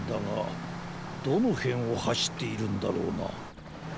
どのへんをはしっているんだろうな。